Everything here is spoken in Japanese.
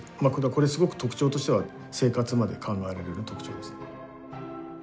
これすごく特徴としては生活まで考えられる特徴です。